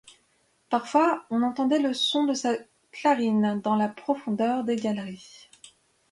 Parfois on entendait le son de sa clarine dans la profondeur des galeries.